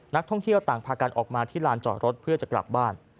นักท่องเที่ยวต่างพากันออกมาที่ลานจอดรถเพื่อจะกลับบ้าน